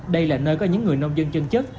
đây là nơi có những người nông dân chân chất